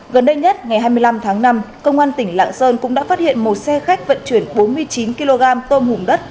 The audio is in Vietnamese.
gần đây nhất ngày hai mươi năm tháng năm công an tỉnh lạng sơn cũng đã phát hiện một xe khách vận chuyển bốn mươi chín kg tôm hùm đất